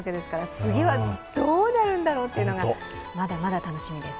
次はどうなるんだろうというのがまだまだ楽しみです。